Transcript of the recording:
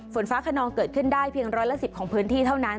ฝนฟ้าขนองเกิดขึ้นได้เพียงร้อยละ๑๐ของพื้นที่เท่านั้น